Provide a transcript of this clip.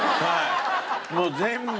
もう全部。